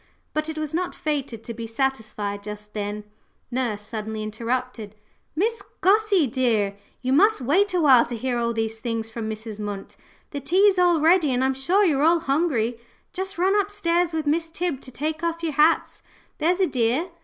But it was not fated to be satisfied just then. Nurse suddenly interrupted. "Miss Gussie, dear, you must wait a while to hear all these things from Mrs. Munt. The tea's all ready, and I'm sure you're all hungry. Just run up stairs with Miss Tib to take off your hats, there's a dear.